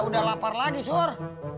udah lapar lagi sur